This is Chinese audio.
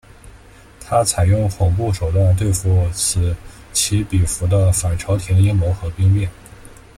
他采用恐怖手段对付此起彼伏的反朝廷阴谋和兵变。